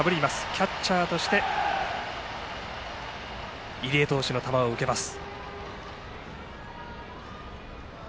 キャッチャーとして入江投手の球を受けます。